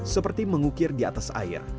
seperti mengukir di atas air